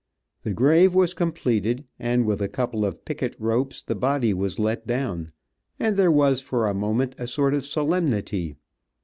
The grave was completed, and with a couple of picket ropes the body was let down, and there was for a moment a sort of solemnity.